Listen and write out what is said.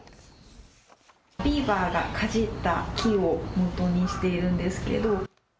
ビーバーがかじった木をもとにしているんですけど。